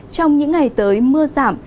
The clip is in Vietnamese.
trong những ngày tới mưa giảm